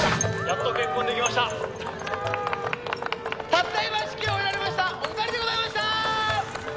「たった今式を終えられましたお二人でございました」